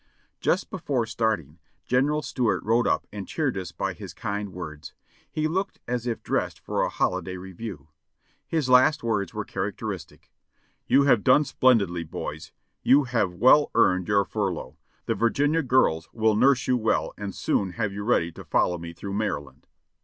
'' Just before starting, General Stuart rode up and cheered us by his kind words; he looked as if dressed for a holiday review. His last words were characteristic: "You have done splendidly, boys ! You have well earned your furlough ; the Virginia girls will nurse you well and soon have you ready to follow me through Maryland."